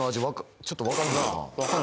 ちょっとわかるんかな？